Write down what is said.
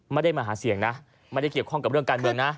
ไม่ได้มาหาเสียงนะไม่ได้เกี่ยวข้องกับเรื่องการเมืองนะ